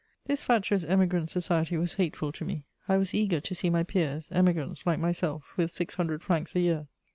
This fatuous Emigrant society was hateful to me; I was eager to see my peers, Emigrants like myself with six hundred francs a year.